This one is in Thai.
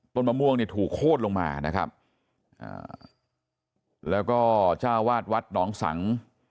มะม่วงเนี่ยถูกโคตรลงมานะครับอ่าแล้วก็จ้าวาดวัดหนองสัง